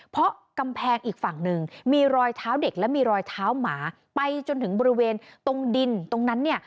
เพราะกำแพงอีกฝั่งหนึ่งมีรอยเท้าเด็กและมีรอยเท้าหมาไปจนถึงบริเวณตรงดินตรงนั้นเนี่ย